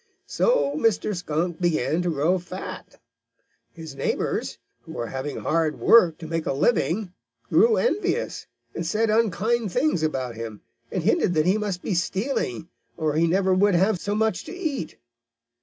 "So Mr. Skunk began to grow fat. His neighbors, who were having hard work to make a living, grew envious, and said unkind things about him, and hinted that he must be stealing, or he never could have so much to eat.